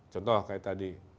contoh kayak tadi